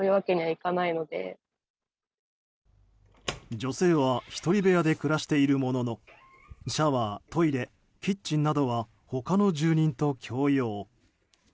女性は１人部屋で暮らしているもののシャワー、トイレキッチンなどは他の住人と共用。